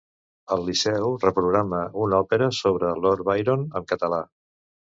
El Liceu reprograma una òpera sobre Lord Byron en català.